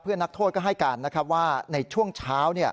เพื่อนนักโทษก็ให้การนะครับว่าในช่วงเช้า